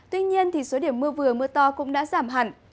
tuy nhiên số điểm mưa vừa mưa to cũng đã giảm hẳn